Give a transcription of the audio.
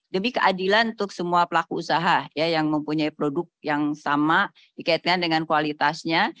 demi keadilan untuk semua pelaku usaha yang mempunyai produk yang sama dikaitkan dengan kualitasnya